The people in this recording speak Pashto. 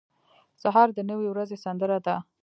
سهار د نوې ورځې سندره ده.